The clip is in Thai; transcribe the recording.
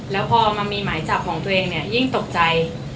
แล้วพอมามีหมายจับของตัวเองเนี่ยยิ่งตกใจ